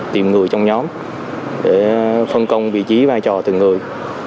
tìm người trong nhóm để phân công vị trí vai trò từng người